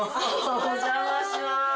お邪魔します。